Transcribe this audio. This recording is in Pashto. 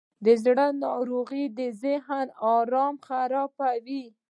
د زړه ناروغۍ د ذهن آرام خرابوي.